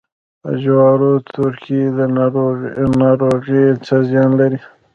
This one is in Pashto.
د جوارو تورکي ناروغي څه زیان لري؟